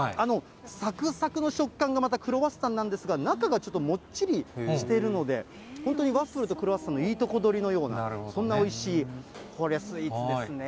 さくさくの食感がまたクロワッサンなんですが、中がちょっともっちりしているので、本当にワッフルとクロワッサンのいいとこ取りのような、そんなおいしい、これスイーツですね。